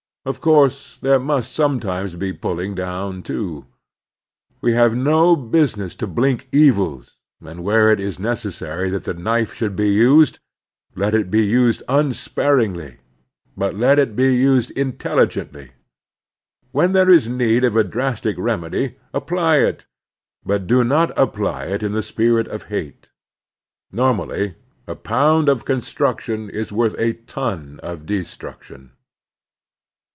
Of course there must sometimes be pulling down, too. We have no business to blink evils, and where it is necessary that the knife should be used, let it be used unsparingly, but let it be used intel ligently. When there is need of a drastic remedy, apply it, but do not apply it in the spirit of hate. Normally a poimd of construction is worth a ton of destruction.